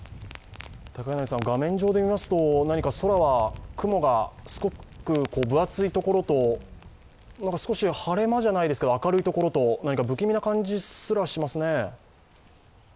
画面上で見ると、雲はすごく分厚いところとまだ少し晴れ間じゃないですけれども、明るいところと、不気味な感じすら、しますね。